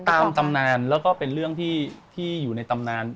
ตำนานแล้วก็เป็นเรื่องที่อยู่ในตำนาน